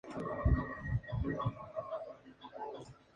Normalmente, un diseñador de vehículos trabaja con una serie de restricciones.